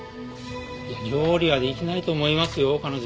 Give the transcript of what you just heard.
いや料理はできないと思いますよ彼女。